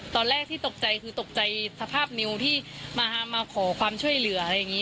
ตอนแรกที่ตกใจคือตกใจสภาพนิวที่มาขอความช่วยเหลืออะไรอย่างนี้